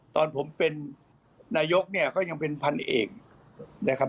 ตอนผมเป็นนายกเนี่ยก็ยังเป็นพันเอกนะครับ